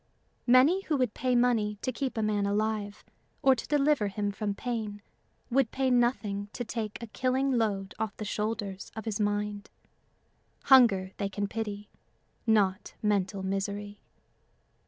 Many who would pay money to keep a man alive or to deliver him from pain would pay nothing to take a killing load off the shoulders of his mind. Hunger they can pity not mental misery.